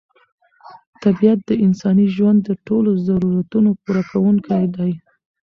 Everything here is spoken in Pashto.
طبیعت د انساني ژوند د ټولو ضرورتونو پوره کوونکی دی.